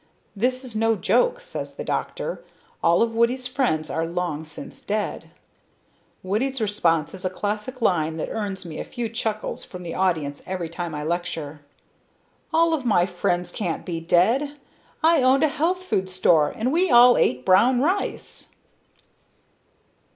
This is no joke, says the doctor, all of Woody's friends are long since dead. Woody's response is a classic line that earns me a few chuckles from the audience every time I lecture: 'all my friends can't be dead! I owned a health food store and we all ate brown rice.'